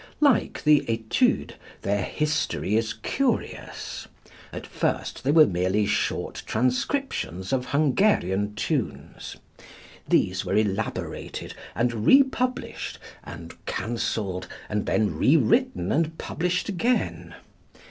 Like the Études, their history is curious. At first they were merely short transcriptions of Hungarian tunes. These were elaborated and republished and canceled, and then rewritten and published again.